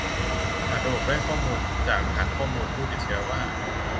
หากระบบได้ข้อมูลจากฐานข้อมูลผู้ติดเชื้อว่า